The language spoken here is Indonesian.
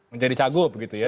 menjadi cagup begitu ya